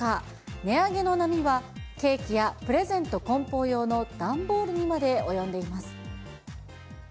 値上げの波は、ケーキやプレゼント梱包用の段ボールにまで及んでいます。